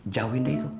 jauhin deh itu